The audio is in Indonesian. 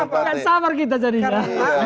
karena kenapa kita sama